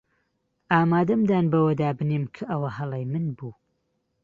ئامادەم دان بەوەدا بنێم کە ئەوە هەڵەی من بوو.